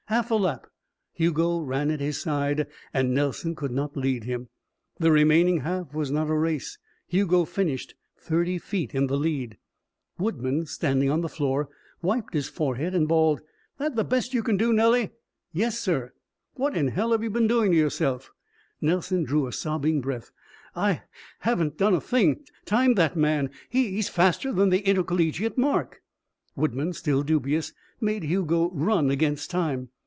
Half a lap. Hugo ran at his side and Nelson could not lead him. The remaining half was not a race. Hugo finished thirty feet in the lead. Woodman, standing on the floor, wiped his forehead and bawled: "That the best you can do, Nellie?" "Yes, sir." "What in hell have you been doing to yourself?" Nelson drew a sobbing breath. "I haven't done a thing. Time that man. He's faster than the intercollegiate mark." Woodman, still dubious, made Hugo run against time.